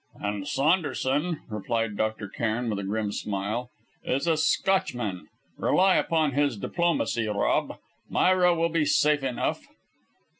"And Saunderson," replied Dr. Cairn with a grim smile, "is a Scotchman! Rely upon his diplomacy, Rob. Myra will be safe enough."